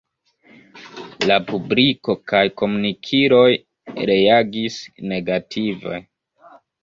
La publiko kaj komunikiloj reagis negative.